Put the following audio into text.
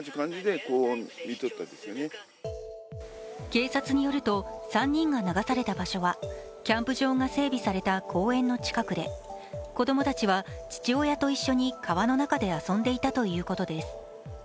警察によると、３人が流された場所はキャンプ場が整備された公園の近くで子供たちは、父親と一緒に川の中で遊んでいたということです。